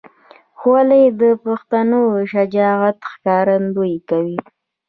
خولۍ د پښتنو شجاعت ښکارندویي کوي.